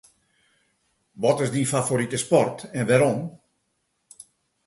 Wat is dyn favorite sport en wêrom?